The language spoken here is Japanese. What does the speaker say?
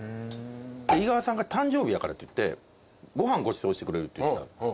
井川さんが誕生日やからって言ってご飯ごちそうしてくれるって言ってた。